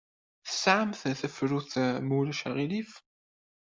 Tesɛamt tafrut, ma ulac aɣilif?